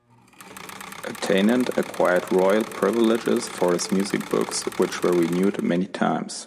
Attaingnant acquired royal privileges for his music books, which were renewed many times.